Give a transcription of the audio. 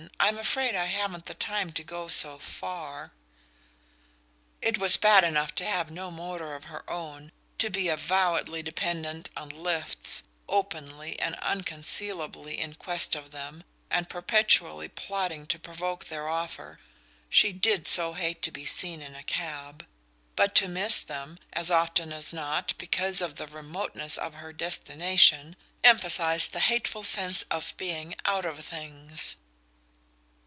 I'm afraid I haven't the time to go so far " It was bad enough to have no motor of her own, to be avowedly dependent on "lifts," openly and unconcealably in quest of them, and perpetually plotting to provoke their offer (she did so hate to be seen in a cab!) but to miss them, as often as not, because of the remoteness of her destination, emphasized the hateful sense of being "out of things."